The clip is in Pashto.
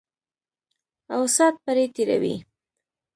او سات پرې تېروي.